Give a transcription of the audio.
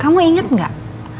kamu inget gak